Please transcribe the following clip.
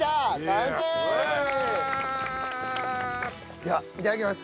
ではいただきます！